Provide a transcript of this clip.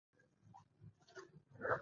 له کله چې دغه شاتګ پیل شوی دوی ټول نیسي.